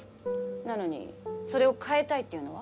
なのにそれを変えたいっていうのは？